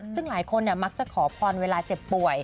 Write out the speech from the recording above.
ซึ่งหลายคนมักจะขอพรเวลาเจ็บป่วย